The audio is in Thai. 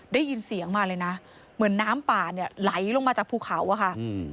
ได้ยินเสียงมาเลยนะเหมือนน้ำป่าเนี่ยไหลลงมาจากภูเขาอะค่ะอืม